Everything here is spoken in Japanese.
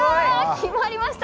決まりました。